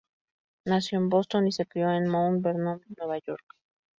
Nació en Boston y se crió en Mount Vernon, Nueva York.